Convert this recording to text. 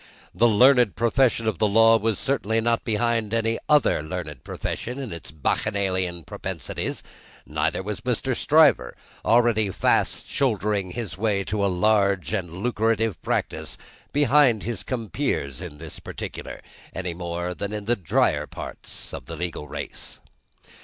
The learned profession of the law was certainly not behind any other learned profession in its Bacchanalian propensities; neither was Mr. Stryver, already fast shouldering his way to a large and lucrative practice, behind his compeers in this particular, any more than in the drier parts of the legal race.